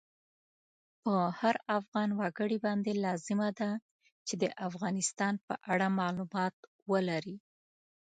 په هر افغان وګړی باندی لازمه ده چی د افغانستان په اړه مالومات ولری